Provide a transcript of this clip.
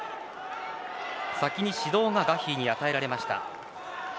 先に指導がガヒーに与えられました。